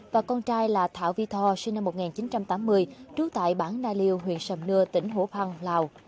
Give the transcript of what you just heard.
và con trai là thảo vi tho sinh năm một nghìn chín trăm tám mươi trú tại bãng na liêu huyện sầm nưa tỉnh hồ phan lào